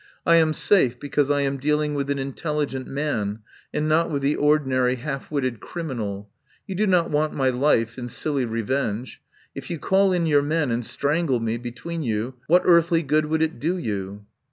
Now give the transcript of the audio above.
I am safe, because I am dealing with an intelligent man and not with the ordinary half witted criminal. You do not want my life in silly revenge. If you call in your men and strangle me between you what earthly good would it do you?"